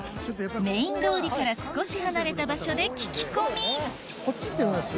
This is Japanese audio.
メイン通りから少し離れた場所で聞き込みこっち行ってみます？